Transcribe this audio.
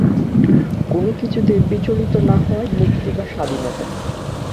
কোন কিছুতেই বিচলিত না হওয়াই মুক্তি বা স্বাধীনতা।